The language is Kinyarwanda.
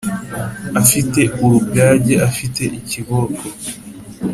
afite urugage afite ikiboko